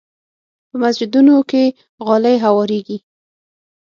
په مسجدونو کې غالۍ هوارېږي.